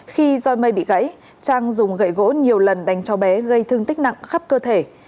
khi do mây bị gãy trang dùng gậy gỗ nhiều lần đánh cháu bé gây thương tích nặng khắp cơ thể